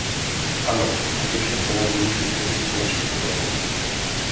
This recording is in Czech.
Ano, skutečně chceme využít přebytku našich potravin.